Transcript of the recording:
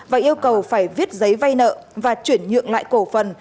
và yêu cầu phải viết giấy vay nợ và chuyển nhượng lại cổ phần